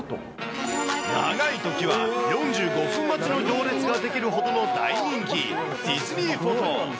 長いときは４５分待ちの行列が出来るほどの大人気、ディズニー・フォト。